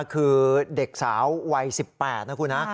คือเด็กสาววัย๑๘นะคุณนะ